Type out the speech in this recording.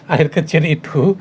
air kecil itu